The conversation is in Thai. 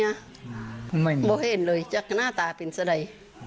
ไม่บอกเห็นเลยจากหน้าตาเป็นซะใด